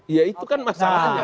iya itu kan masalahnya